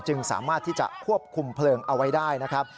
สามารถที่จะควบคุมเพลิงเอาไว้ได้นะครับ